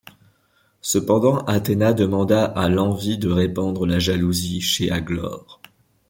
Cependant, Athéna demande à l’Envie de répandre la jalousie chez Aglaure.